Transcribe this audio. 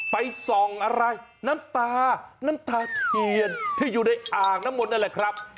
ไปส่องอะไรน้ำตาน้ำตาเทียนที่อยู่ในอ่างน้ำมนต์นั่นแหละครับ